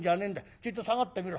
ちょいと下がってみろ。